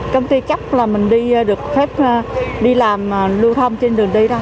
công ty chắc là mình đi được phép đi làm lưu thông trên đường đi đâu